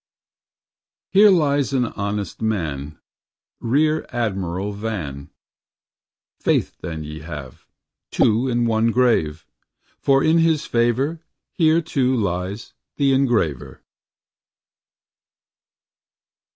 Here lies an honest man, Rear Admiral Van. âââ Faith, then ye have Two in one grave, For in his favor, Here too lies the Engraver.